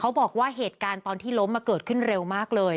บอกว่าเหตุการณ์ตอนที่ล้มมาเกิดขึ้นเร็วมากเลย